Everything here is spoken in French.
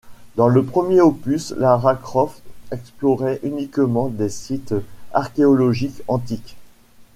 Dans le premier opus, Lara Croft explorait uniquement des sites archéologiques antiques.